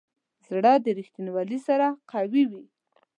زړه د ریښتینولي سره قوي وي.